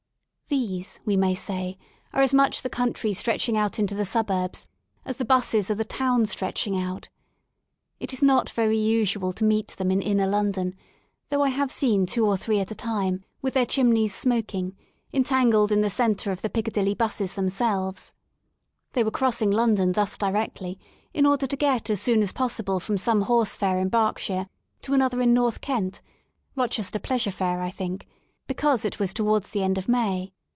These, we may say, are as much the country" stretching into the suburbs as the 'buses are the town stretching out. It is not very usual to meet them in inner London, though I have seen two or three at a time, with their chimneys smok ing, entangled in the centre of the Piccadilly 'buses themselves* They were crossing London thus directly in order to get as soon as possible from some horse fair in Berkshire to another in North Kent^Rochester pleasure fair, I think, because it was towards the end of May.